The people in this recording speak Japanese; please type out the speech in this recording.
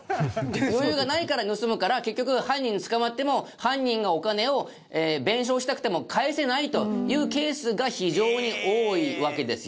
余裕がないから盗むから結局犯人捕まっても犯人がお金を弁償したくても返せないというケースが非常に多いわけですよね。